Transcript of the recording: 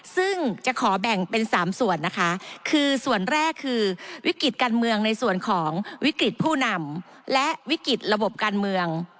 ซึ่งจะขอแบ่งเป็น๓ส่วนนะคะคือส่วนแรกคือวิกฤติการเมืองในส่วนของวิกฤตผู้นำและวิกฤตระบบการเมือง